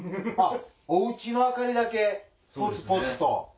お家の明かりだけポツポツと。